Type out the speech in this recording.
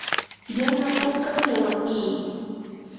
yana pukam yawarnii.